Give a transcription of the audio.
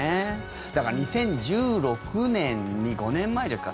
だから、２０１６年に５年前ですか。